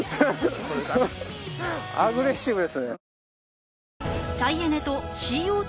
アグレッシブですね。